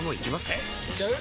えいっちゃう？